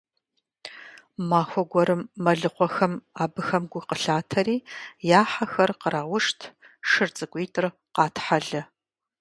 Махуэ гуэрым мэлыхъуэхэм абыхэм гу къылъатэри, я хьэхэр къраушт, шыр цӀыкӀуитӀыр къатхьэлэ.